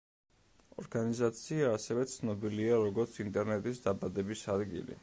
ორგანიზაცია ასევე ცნობილია, როგორც ინტერნეტის დაბადების ადგილი.